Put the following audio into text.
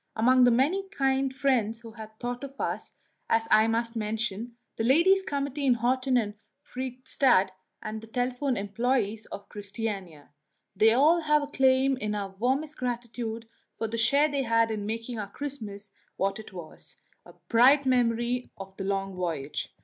Among the many kind friends who had thought of us I must mention the Ladies' Committees in Horten and Fredrikstad, and the telephone employées of Christiania. They all have a claim to our warmest gratitude for the share they had in making our Christmas what it was a bright memory of the long voyage.